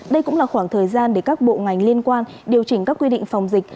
đây cũng là khoảng thời gian để các bộ ngành liên quan điều chỉnh các quy định phòng dịch